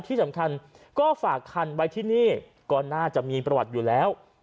ที่สำคัญก็ฝากคันไว้ที่นี่ก็น่าจะมีประวัติอยู่แล้ว